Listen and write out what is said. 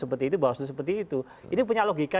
seperti itu bawaslu seperti itu ini punya logika